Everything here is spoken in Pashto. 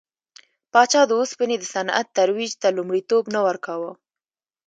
پاچا د اوسپنې د صنعت ترویج ته لومړیتوب نه ورکاوه.